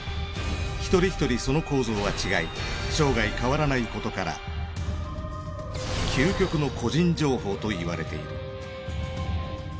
一人一人その構造は違い生涯変わらないことから究極の個人情報と言われている。